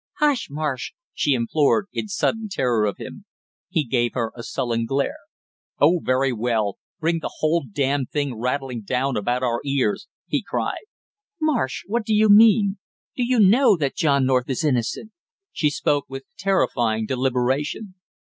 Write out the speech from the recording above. "Hush, Marsh!" she implored, in sudden terror of him. He gave her a sullen glare. "Oh, very well, bring the whole damn thing rattling down about our ears!" he cried. "Marsh, what do you mean? Do you know that John North is innocent?" She spoke with terrifying deliberation.